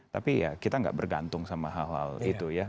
tapi ya kita gak bergantung sama hal hal itu ya